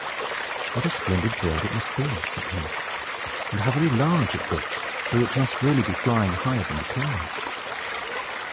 "What a splendid bird it must be!" said he. "And how very large it looks, though it must really be flying higher than the clouds!"